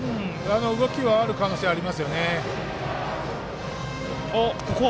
動きがある可能性ありますね。